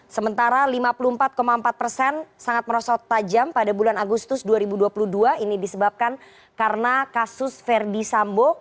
sementara lima puluh empat empat persen sangat merosot tajam pada bulan agustus dua ribu dua puluh dua ini disebabkan karena kasus verdi sambo